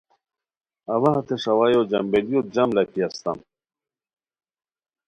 اوا ہتے ݰاوایو جم بیلیوت جم لاکھی استام